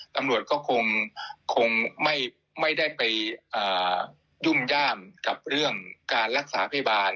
ตำรวจก็คงไม่ได้ไปยุ่งย่ามกับเรื่องการรักษาพยาบาล